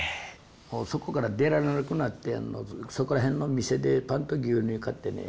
もうそこから出られなくなってそこら辺の店でパンと牛乳買ってね